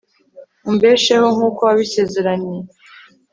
umbesheho nk'uko wabisezeranye